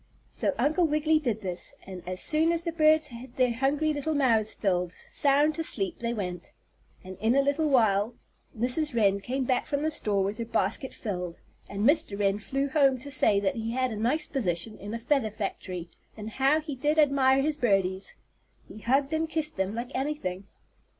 So Uncle Wiggily did this, and as soon as the birds had their hungry little mouths filled, sound to sleep they went. And in a little while Mrs. Wren came back from the store with her basket filled, and Mr. Wren flew home to say that he had a nice position in a feather factory, and how he did admire his birdies! He hugged and kissed them like anything.